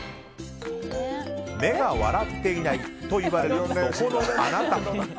目が笑っていないと言われるそこのあなた！